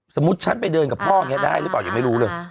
ฉันไปเดินกับพ่ออย่างนี้ได้หรือเปล่ายังไม่รู้เลย